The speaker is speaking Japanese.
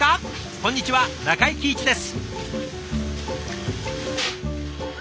こんにちは中井貴一です。